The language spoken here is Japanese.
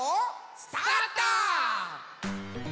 スタート！